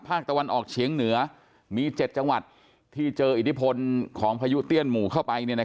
ภาคตะวันออกเฉียงเหนือมี๗จังหวัดที่เจออิทธิพลของพายุเตี้ยนหมู่เข้าไป